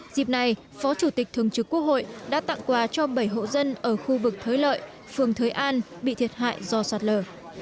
dịp này phó chủ tịch thường trực quốc hội đã tặng quà cho bảy hộ dân ở khu vực thới lợi phường thới an bị thiệt hại do sạt lở